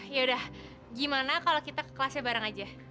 ya udah gimana kalo kita ke kelasnya bareng aja